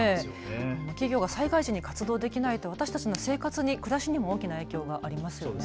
企業が災害時に活動できないと私たちの生活、暮らしにも大きな影響がありますよね。